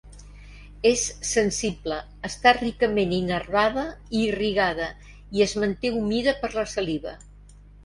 És sensible, està ricament innervada i irrigada, i es manté humida per la saliva.